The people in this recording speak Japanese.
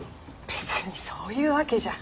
別にそういうわけじゃ。